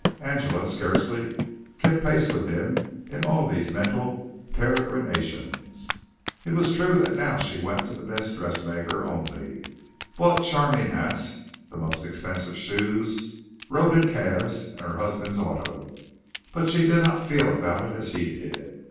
Angela scarcely kept pace with him in all these mental peregrinations. It was true that now she went to the best dressmakers only, bought charming hats, the most expensive shoes, rode in cabs and her husband's auto, but she did not feel about it as he did.